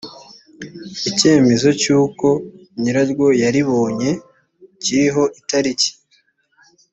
icyemezo cy’uko nyiraryo yaribonye kiriho itariki